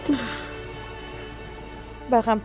aku memikirkan diri